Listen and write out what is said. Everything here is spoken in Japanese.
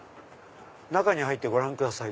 中に入ってご覧ください」。